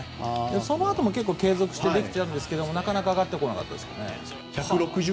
そのあとも結構継続して出てたんですけどなかなか上がってこなかったですね。